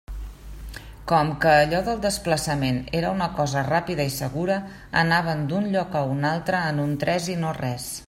Com que allò del desplaçament era una cosa ràpida i segura, anaven d'un lloc a un altre en un tres i no res.